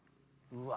うわ！